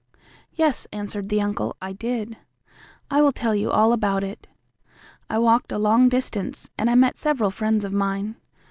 "Yes," answered the uncle, "I did. I will tell you all about it. I walked a long distance, and I met several friends of mine.